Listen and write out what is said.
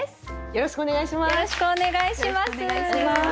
よろしくお願いします。